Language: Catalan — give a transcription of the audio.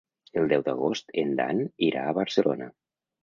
El deu d'agost en Dan irà a Barcelona.